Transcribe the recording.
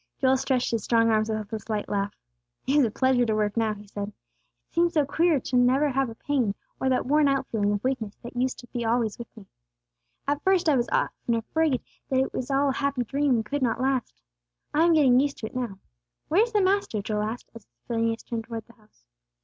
Joel stretched his strong arms with a slight laugh. "It is a pleasure to work now," he said. "It seems so queer never to have a pain, or that worn out feeling of weakness that used to be always with me. At first I was often afraid it was all a happy dream, and could not last. I am getting used to it now. Where is the Master?" Joel asked, as Phineas turned towards the house.